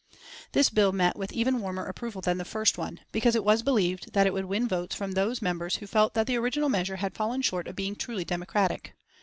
This bill met with even warmer approval than the first one, because it was believed that it would win votes from those members who felt that the original measure had fallen short of being truly democratic.